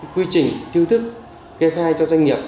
quy trình thiêu thức kê khai cho doanh nghiệp